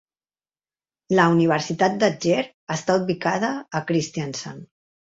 La Universitat d'Agder està ubicada a Kristiansand.